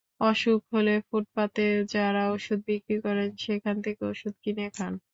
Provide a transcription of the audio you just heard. অসুখ হলে ফুটপাতে যাঁরা ওষুধ বিক্রি করেন, সেখান থেকে ওষুধ কিনে খান।